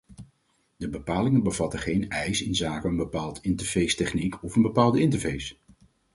De bepalingen bevatten geen eis inzake een bepaalde interfacetechniek of een bepaalde interface.